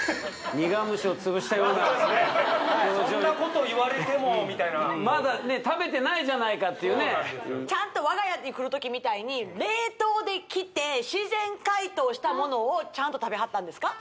苦虫をつぶしたようなそんなこと言われてもみたいなまだね食べてないじゃないかっていうねちゃんと我が家に来る時みたいに冷凍で来て自然解凍したものをちゃんと食べはったんですか？